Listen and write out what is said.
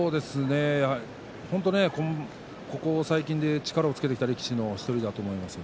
本当ここ最近、力をつけてきた力士の１人だと思います。